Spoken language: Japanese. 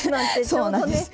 そうなんです。